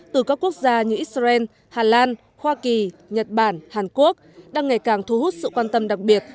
từ các quốc gia như israel hà lan hoa kỳ nhật bản hàn quốc đang ngày càng thu hút sự quan tâm đặc biệt